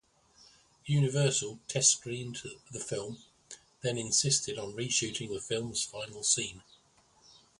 Universal test-screened the film, then insisted on reshooting the film's final scene.